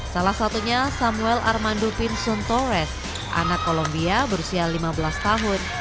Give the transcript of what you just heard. salah satunya samuel armando pinson torres anak kolombia berusia lima belas tahun